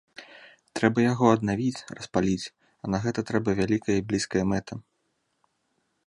Трэба яго аднавіць, распаліць, а на гэта трэба вялікая і блізкая мэта.